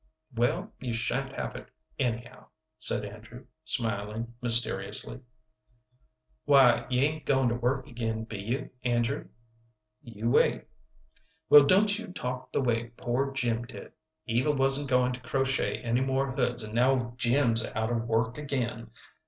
"Well, you sha'n't have it, anyhow," said Andrew, smiling mysteriously. "Why, you ain't goin' to work again, be you, Andrew?" "You wait." "Well, don't you talk the way poor Jim did. Eva wasn't going to crochet any more hoods, and now Jim's out of work again.